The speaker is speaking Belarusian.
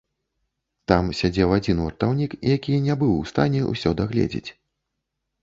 Там сядзеў адзін вартаўнік, які не быў у стане ўсё дагледзець.